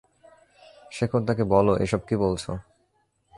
শেখর, তাকে বলো এইসব কি বলছো?